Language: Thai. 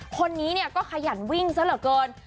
คนนี้เนี่ยก็ขยันวิ่งซะเหลือเกิน